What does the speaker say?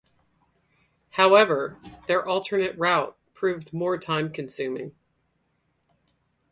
However, their alternate route proved more time-consuming.